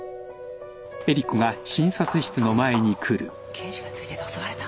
刑事が付いてて襲われた！？